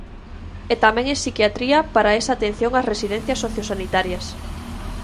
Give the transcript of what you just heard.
E tamén en psiquiatría para esa atención ás residencias sociosanitarias.